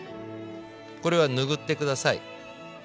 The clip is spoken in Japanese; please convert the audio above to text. これは拭って下さい。